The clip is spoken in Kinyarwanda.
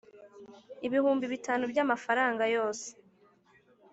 ibihumbi bitanu by amafaranga yose